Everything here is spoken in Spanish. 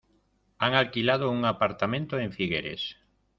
Han alquilado un apartamento en Figueres.